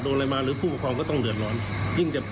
ได้ทั้งหมด๑๒คนครับ